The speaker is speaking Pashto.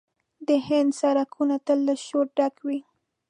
د هند سړکونه تل له شوره ډک وي.